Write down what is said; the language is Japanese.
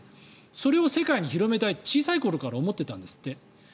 それを世界に広めたいと小さい頃から思ってたんですって。